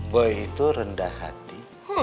boy itu rendah hati